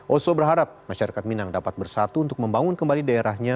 oso berharap masyarakat minang dapat bersatu untuk membangun kembali daerahnya